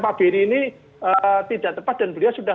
pak benny ini tidak tepat dan beliau sudah